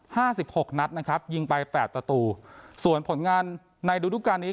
สิบหกนัดนะครับยิงไปแปดประตูส่วนผลงานในฤดูการนี้